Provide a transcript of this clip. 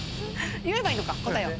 言えばいいのか答えを。